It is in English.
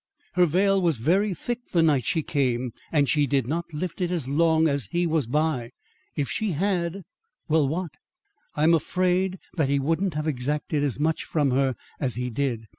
Her veil was very thick the night she came and she did not lift it as long as he was by. If she had " "Well, what?" "I'm afraid that he wouldn't have exacted as much from her as he did.